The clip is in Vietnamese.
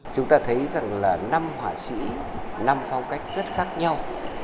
chúng ta thấy rằng là năm họa sĩ năm phong cách rất khác nhau